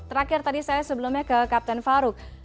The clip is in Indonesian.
terakhir tadi saya sebelumnya ke kapten farouk